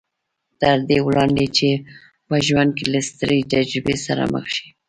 تر دې وړاندې چې په ژوند کې له سترې تجربې سره مخ شي